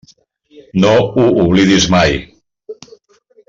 No ho oblidis mai.